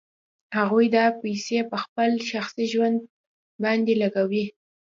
هغوی دا پیسې په خپل شخصي ژوند باندې لګوي